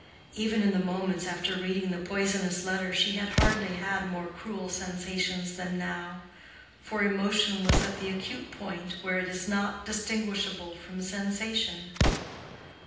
Even in the moments after reading the poisonous letter she had hardly had more cruel sensations than now; for emotion was at the acute point, where it is not distinguishable from sensation.